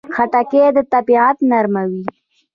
خټکی د طبعیت نرموي.